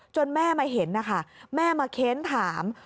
แม่มาเห็นนะคะแม่มาเค้นถาม